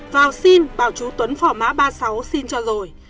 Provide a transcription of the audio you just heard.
vào xin bảo chú tuấn phỏ má ba mươi sáu xin cho rồi